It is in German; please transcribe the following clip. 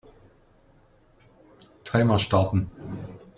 Timer starten.